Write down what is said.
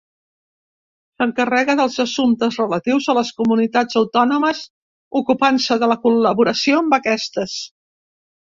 S'encarrega dels assumptes relatius a les comunitats autònomes, ocupant-se de la col·laboració amb aquestes.